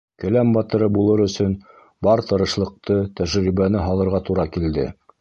Келәм батыры булыр өсөн бар тырышлыҡты, тәжрибәне һалырға тура килде.